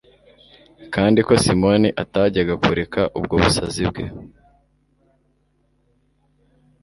kandi ko simoni atajyaga kureka ubwo busazi bwe